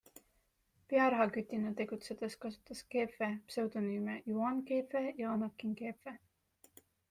Pearahakütina tegutsedes kasutas Keefe pseudonüüme Juan Keefe ja Anakin Keefe.